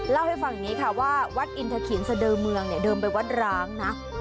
เล่าให้ฟังอย่างนี้ค่ะว่าวัดอินทะขินเสดอเมืองเนี่ยเดิมไปวัดร้างนะ